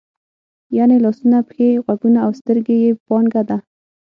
یعنې لاسونه، پښې، غوږونه او سترګې یې پانګه ده.